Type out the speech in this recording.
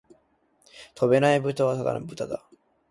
飛べないブタはただの豚だ